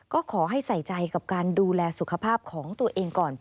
ก็ขอให้ใส่ใจกับการดูแลสุขภาพของตัวเองก่อน